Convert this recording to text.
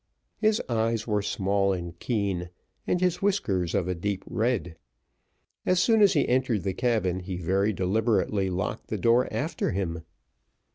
His eyes were small and keen, and his whiskers of a deep red. As soon as he entered the cabin, he very deliberately locked the door after him.